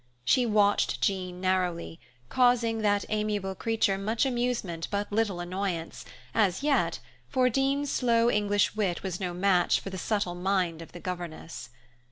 She watched Jean narrowly, causing that amiable creature much amusement but little annoyance, as yet, for Dean's slow English wit was no match for the subtle mind of the governess.